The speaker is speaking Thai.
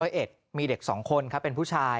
สมมุติว่าเฮดมีเด็ก๒คนเป็นผู้ชาย